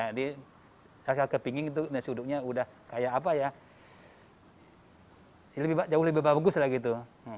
jadi saya ke pinging itu nasi huduknya udah kayak apa ya ini jauh lebih bagus lah gitu